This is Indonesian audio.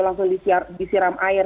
langsung disiram air